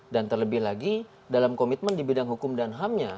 dan terlebih lagi dalam komitmen di bidang hukum dan ham nya